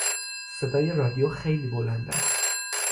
صدای رادیو خیلی بلند است.